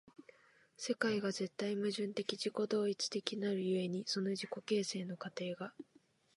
世界が絶対矛盾的自己同一的なる故に、その自己形成の過程が